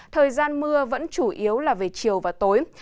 thời gian mưa vẫn chủ yếu là về chiều và tối